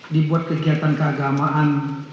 dibuat kegiatan keagamaan